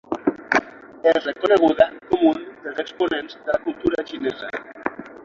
És reconeguda com un dels exponents de la cultura xinesa.